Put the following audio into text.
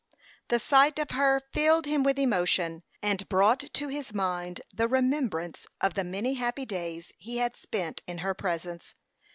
The sight of her filled him with emotion, and brought to his mind the remembrance of the many happy days he had spent in her presence.